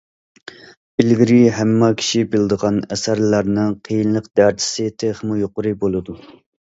ئىلگىرى ھەممە كىشى بىلىدىغان ئەسەرلەرنىڭ قىيىنلىق دەرىجىسى تېخىمۇ يۇقىرى بولىدۇ.